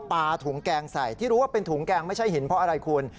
ปลาถุงแกงใส่ที่รู้ว่าเป็นถุงแกงไม่ใช่หินเพราะอะไรคุณ